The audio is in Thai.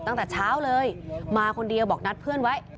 ตั้งแต่เช้าเลยมาคนเดียวบอกนัดเพื่อนไว้